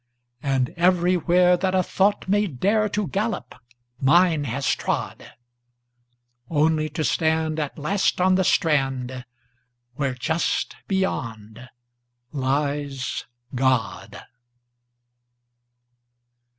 And everywhereThat a thought may dareTo gallop, mine has trod—Only to stand at last on the strandWhere just beyond lies God.